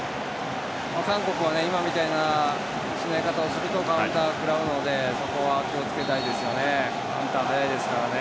韓国は今みたいな失い方をするとカウンターをくらうのでそこは気をつけたいですね。